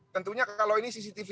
tentunya kalau ini cctv